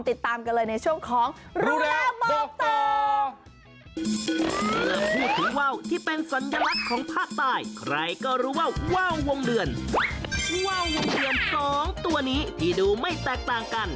ติดตามกันเลยในช่วงของรู้แล้วบอกต่อ